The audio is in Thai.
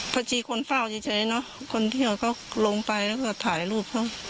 พระชีคนเฝ้าเฉยคนที่เขาลงไปแล้วก็ถ่ายรูป